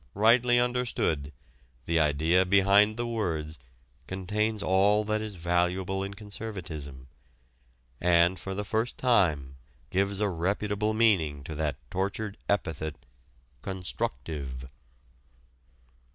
Rightly understood, the idea behind the words contains all that is valuable in conservatism, and, for the first time, gives a reputable meaning to that tortured epithet "constructive."